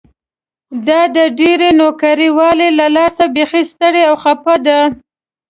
دا د ډېرې نوکري والۍ له لاسه بيخي ستړې او خپه ده.